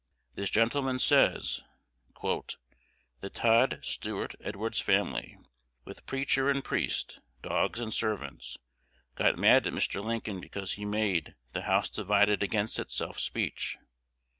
This gentleman says, "The Todd Stuart Edwards family, with preacher and priest, dogs and servants, got mad at Mr. Lincoln because he made 'The House divided against itself Speech.'